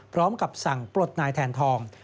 พร้อมกับสั่งปลดนายแทนทอง